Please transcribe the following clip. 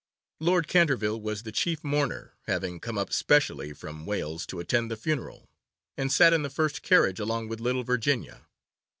Lord Canterville was the chief mourner, having come up specially from Wales to attend the funeral, and sat in the first carriage along with little Virginia.